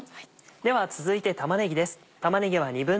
では続いて玉ねぎです。